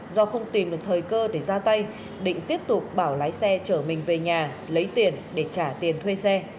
do không tìm được thời cơ để ra tay định tiếp tục bảo lái xe chở mình về nhà lấy tiền để trả tiền thuê xe